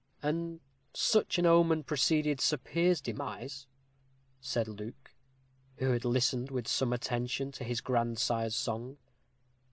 "And such an omen preceded Sir Piers's demise?" said Luke, who had listened with some attention to his grandsire's song.